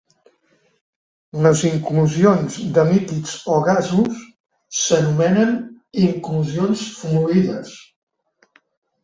Les inclusions de líquids o gasos s'anomenen inclusions fluides.